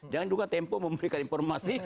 jangan juga tempo memberikan informasi